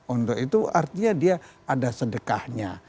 untuk itu artinya dia ada sedekahnya